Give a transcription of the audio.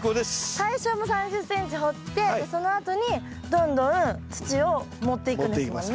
最初３０ｃｍ掘ってそのあとにどんどん土を盛っていくんですもんね。